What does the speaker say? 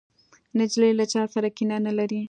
نجلۍ له چا سره کینه نه لري.